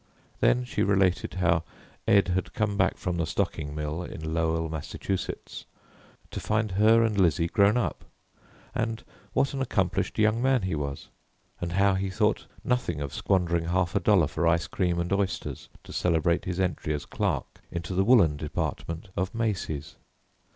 Then she related how Ed had come back from the stocking mill in Lowell, Massachusetts, to find her and Lizzie grown up, and what an accomplished young man he was, and how he thought nothing of squandering half a dollar for ice cream and oysters to celebrate his entry as clerk into the woollen department of Macy's.